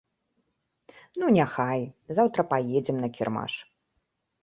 Ну няхай, заўтра паедзем на кірмаш.